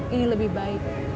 ini lebih baik